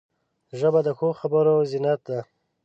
ژبه د ښو خبرو زینت ده